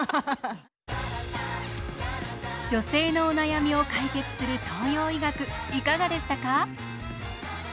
女性のお悩みを解決する東洋医学いかがでしたか？